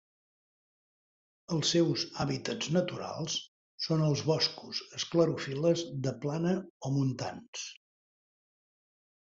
Els seus hàbitats naturals són els boscos esclerofil·les de plana o montans.